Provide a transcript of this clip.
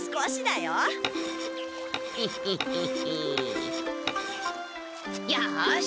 よし！